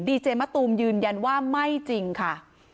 ดีเจมะตูมยืนยันว่าไม่จริงค่ะ